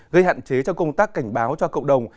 gây hạn chế cho công tác cảnh báo cho cộng đồng